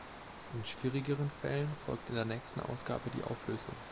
In schwierigeren Fällen folgt in der nächsten Ausgabe die Auflösung.